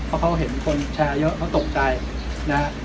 เพราะเขาเห็นคนแชร์เยอะเขาตกใจนะฮะ